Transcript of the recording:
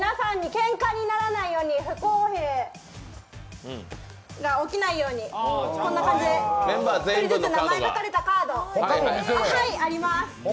けんかにならないように不公平が起きないように、こんな感じで１人ずつ名前が書かれたカードがあります。